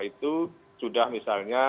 itu sudah misalnya